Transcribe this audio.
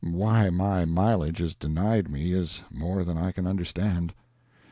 Why my mileage is denied me is more than I can understand.